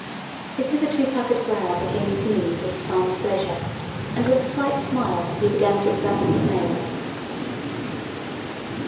His hitherto puckered brow became smooth as a sign of pleasure, and with a slight smile he began to examine his nails.